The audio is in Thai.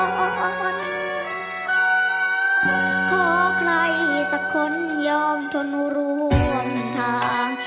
ขอใครสักคนยอมทนร่วมทาง